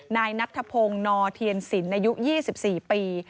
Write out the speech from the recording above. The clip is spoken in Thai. นายนัทธพงศ์นเทียนสินอายุ๒๔ปี